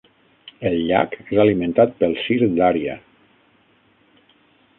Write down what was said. El llac és alimentat pel Syr Darya.